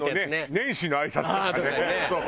年始のあいさつとかね。